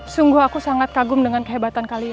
sungguh aku sangat kagum dengan kehebatan kalian